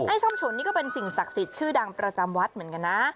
ส้มฉุนนี่ก็เป็นสิ่งศักดิ์สิทธิ์ชื่อดังประจำวัดเหมือนกันนะ